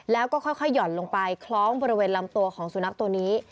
แล้วก็ค่อยห่อนลงไปคล้องบริเวณลำตัวของสุนัขตัวนี้